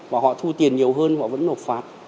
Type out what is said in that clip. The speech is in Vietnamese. và họ thu tiền nhiều hơn họ vẫn nộp phạt